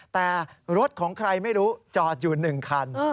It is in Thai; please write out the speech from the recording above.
แต่รถของใครไม่รู้จอดอยู่๑คัน